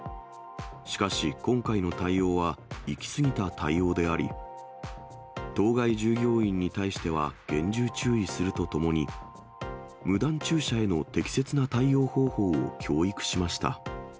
しかし今回の対応は、行き過ぎた対応であり、当該従業員に対しては厳重注意するとともに、無断駐車への適切な対応方法を教育しました。